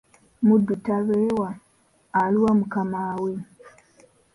Muddu talwewa, aluwa mukamaawe.